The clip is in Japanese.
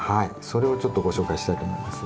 それをちょっとご紹介したいと思います。